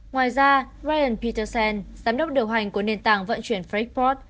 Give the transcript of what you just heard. ngoài ra ryan peterson giám đốc điều hành của nền tảng vận chuyển freightport